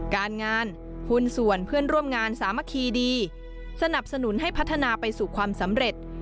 การงานหุ้นส่วนเพื่อนร่วมงานสามัคคีดีสนับสนุนให้พัฒนาไปสู่ความสำเร็จ